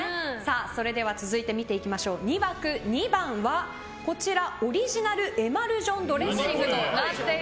それでは、続いて２枠２番は、オリジナルエマルジョンドレッシング。